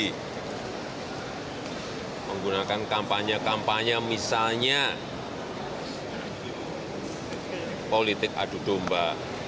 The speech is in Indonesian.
di menggunakan kampanye kampanye misalnya politik adu domba